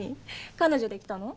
彼女できたの？